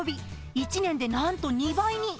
１年でなんと２倍に。